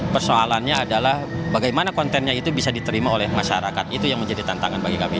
persoalannya adalah bagaimana kontennya itu bisa diterima oleh masyarakat itu yang menjadi tantangan bagi kami